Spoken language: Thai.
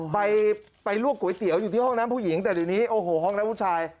ไปไปลวกก๋วยเตี๋ยวอยู่ที่ห้องน้ำผู้หญิงแต่เดี๋ยวนี้โอ้โหห้องน้ำผู้ชาย